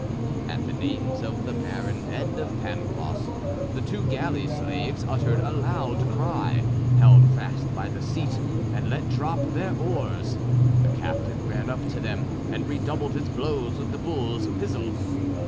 At the names of the Baron and of Pangloss, the two galley slaves uttered a loud cry, held fast by the seat, and let drop their oars. The captain ran up to them and redoubled his blows with the bull's pizzle.